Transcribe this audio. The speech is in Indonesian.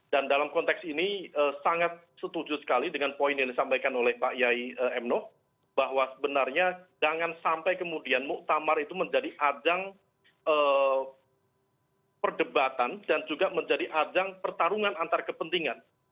dan dalam konteks ini sangat setuju sekali dengan poin yang disampaikan oleh pak yai emno bahwa sebenarnya jangan sampai kemudian muktamar itu menjadi adjang perdebatan dan juga menjadi adjang pertarungan antar kepentingan